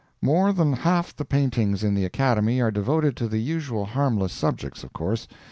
More than half the paintings in the Academy are devoted to the usual harmless subjects, of course.